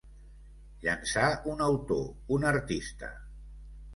Llançar un autor, un artista.